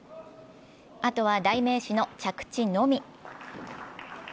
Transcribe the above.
あとは代名詞の着地のみ。